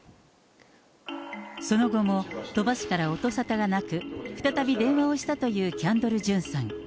その後も鳥羽氏から音沙汰がなく、再び電話をしたというキャンドル・ジュンさん。